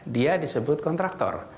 dia disebut kontraktor